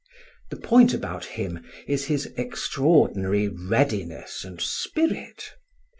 The point about him is his extraordinary readiness and spirit.